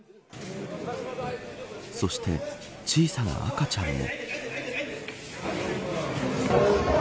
そして、小さな赤ちゃんも。